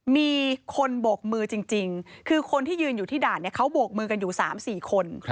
มีคนโบกมือจริงคือคนที่ยืนอยู่ที่ด่านเขาโบกมือกันอยู่๓๔คน